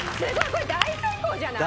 これ大成功じゃない？